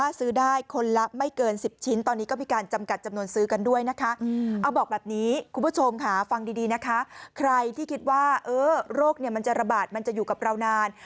คุณผู้ชมค่ะฟังดีนะคะใครที่คิดว่าโรคเนี่ยมันจะระบาดมันจะอยู่กับเรานาน